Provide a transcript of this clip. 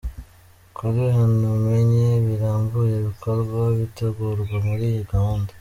Kuri hanoumenye birambuye ibikorwa bitegurwa muri iyi gahunda.